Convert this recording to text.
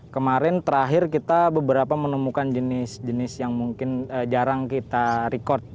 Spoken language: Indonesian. kemarin terakhir kita beberapa menemukan jenis jenis yang mungkin jarang kita record